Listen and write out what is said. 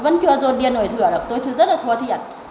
vẫn chưa dồn điền đổi thửa được tôi rất là thua thiệt